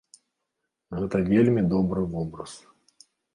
Гэта вельмі добры вобраз.